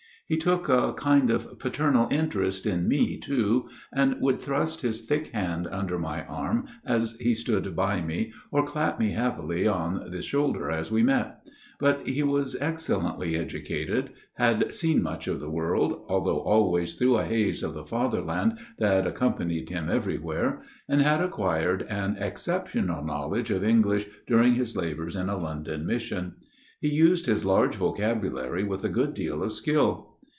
He took a kind of paternal interest in me too, and would thrust his thick hand under my arm as he stood by me, or clap me heavily on the shoulder as we met. But he was excellently educated, had seen much of the world, although always through a haze of the Fatherland that accompanied him everywhere, and had acquired an exceptional knowledge of III \ V2 254 A MIRROR OF SHALOTT English during his labours in a London mission. He used his large vocabulary with a good deal of skill.